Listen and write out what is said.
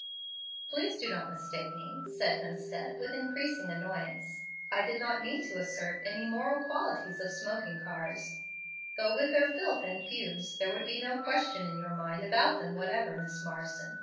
"Please do not mistake me," said Hemstead, with increasing annoyance; "I did not mean to assert any moral qualities of smoking cars, though with then filth and fumes there would be no question in your mind about them whatever, Miss Marsden.